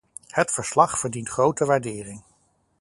Het verslag verdient grote waardering.